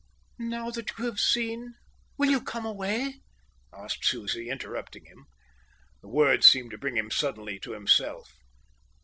"Now that you have seen, will you come away?" said Susie, interrupting him. The words seemed to bring him suddenly to himself.